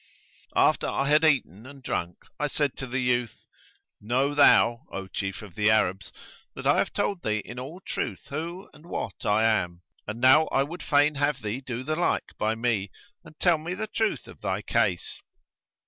After I had eaten and drunk I said to the youth, "Know thou, O Chief of the Arabs, that I have told thee in all truth who and what I am, and now I would fain have thee do the like by me and tell me the truth of thy case."